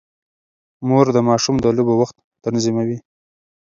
مور د ماشوم د لوبو وخت تنظيموي.